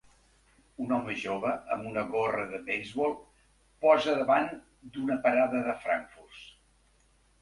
Un home jove amb una gorra de beisbol posa davant d'una parada de frankfurts.